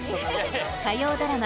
火曜ドラマ